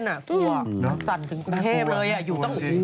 สนับสนุนโดยดีที่สุดคือการให้ไม่สิ้นสุด